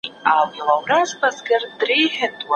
ځیني خنډونه شته چي زموږ علمي کارونه زیانمنوي.